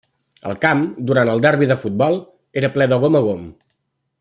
El camp, durant el derbi de futbol, era ple de gom a gom.